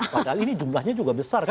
padahal ini jumlahnya juga besar kan